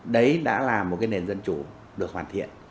đấy đã là một cái nền dân chủ được hoàn thiện